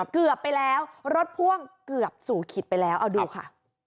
เกือบไปแล้วรถพ่วงเกือบสู่ขิตไปแล้วเอาดูค่ะ